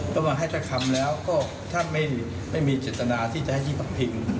ก็มาให้ตะคำแล้วก็ถ้าไม่มีเจตนาที่จะให้ที่พักพิง